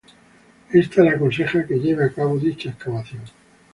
Ésta le aconseja que lleve a cabo dicha excavación.